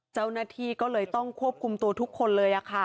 เจ้าหน้าที่ก็เลยต้องควบคุมตัวทุกคนเลย